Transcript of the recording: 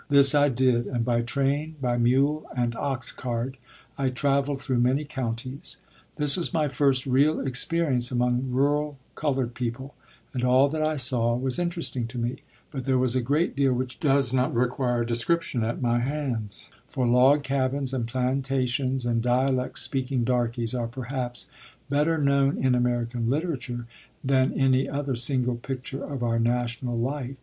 This I did; and by train, by mule and ox cart, I traveled through many counties. This was my first real experience among rural colored people, and all that I saw was interesting to me; but there was a great deal which does not require description at my hands; for log cabins and plantations and dialect speaking "darkies" are perhaps better known in American literature than any other single picture of our national life.